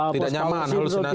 tidak nyaman halusinasi